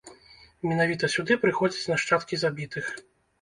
Менавіта сюды прыходзяць нашчадкі забітых.